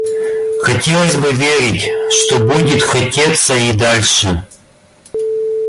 Хотелось бы верить, что будет хотеться и дальше.